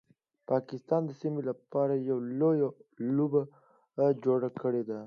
پاکستان د سیمې لپاره یو لویه لوبه جوړه کړیده